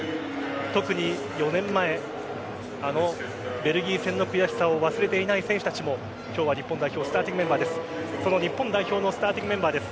特に４年前あのベルギー戦の悔しさを忘れていない選手たちも今日は日本代表スターティングメンバーです。